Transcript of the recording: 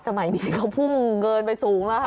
สมัยนี้เขาพุ่งเกินไปสูงแล้วค่ะ